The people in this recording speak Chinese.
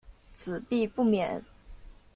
子必不免。